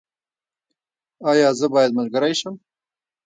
ایا زه باید ملګری شم؟